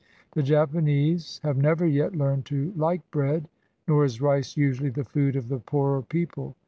The Japanese have never yet learned to like bread, nor is rice usually the food of the poorer people.